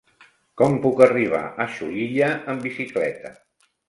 Com puc arribar a Xulilla amb bicicleta?